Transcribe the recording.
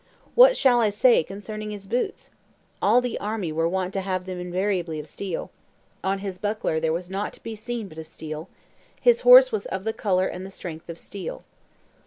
What shall I say concerning his boots? All the army were wont to have them invariably of steel; on his buckler there was nought to be seen but steel; his horse was of the color and the strength of steel.